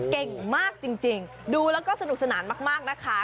เก่งมากจริงดูแล้วก็สนุกสนานมากนะคะ